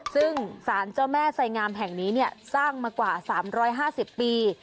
ซึ่งสารเจ้าแม่ไสงามแห่งนี้สร้างมากว่า๓๕๐ปี